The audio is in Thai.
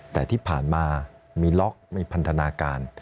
แต่ที่ผ่านมามีล็อกมีพันธนาการ